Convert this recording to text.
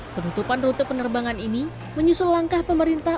penutupan rute penerbangan ini menyusul langkah pemerintah